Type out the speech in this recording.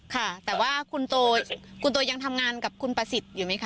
ค่ะแต่ว่าคุณโตยังทำงานกับคุณประสิทธิ์อยู่ไหมคะ